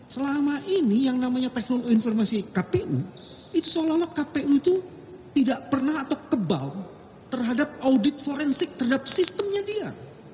selama ini yang namanya teknologi informasi kpu itu seolah olah kpu itu tidak pernah atau kebal terhadap audit forensik terhadap sistemnya dia